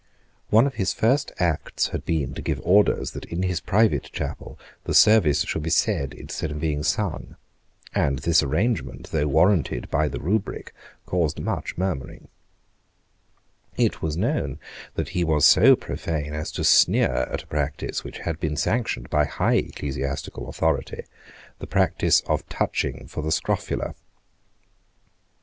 One of his first acts had been to give orders that in his private chapel the service should be said instead of being sung; and this arrangement, though warranted by the rubric, caused much murmuring, It was known that he was so profane as to sneer at a practice which had been sanctioned by high ecclesiastical authority, the practice of touching for the scrofula.